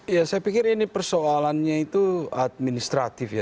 ya saya pikir ini persoalannya itu administratif ya